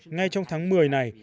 ngay trong tháng một mươi này